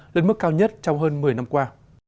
lên mức cao nhất trong hơn một mươi năm qua